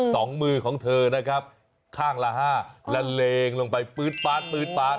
สุดยอดเลยครับผม